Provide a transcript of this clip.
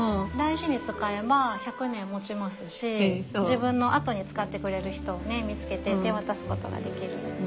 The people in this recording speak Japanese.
大事に使えば１００年もちますし自分のあとに使ってくれる人をね見つけて手渡すことができる。